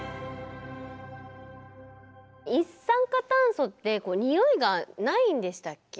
一酸化炭素ってにおいがないんでしたっけ？